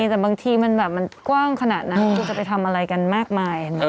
แต่บางทีมันแบบมันกว้างขนาดนั้นคุณจะไปทำอะไรกันมากมาย